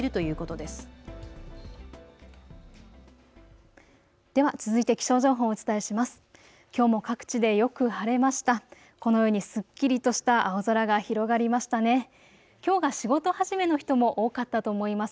では続いて気象情報をお伝えします。